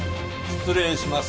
失礼します。